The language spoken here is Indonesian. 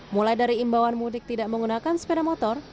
mulai dari imbauan mudik tidak menggunakan sepeda motor